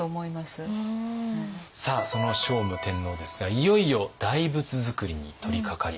さあその聖武天皇ですがいよいよ大仏づくりに取りかかります。